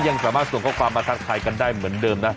ยังสามารถส่งข้อความมาทักทายกันได้เหมือนเดิมนะ